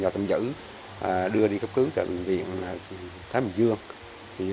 tử đưa đi cấp cứu tại bệnh viện thái bình dương